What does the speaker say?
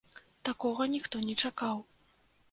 Такога ніхто не чакаў.